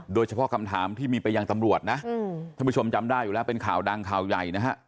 โดยเฉพาะคำถามที่มีไปยังตำรวจนะท่านผู้ชมจำได้อยู่แล้วเป็นข่าวดังข่าวใหญ่นะฮะ